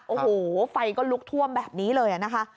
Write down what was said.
โอ้โหไฟก็ลุกท่วมแบบนี้เลยนะคะ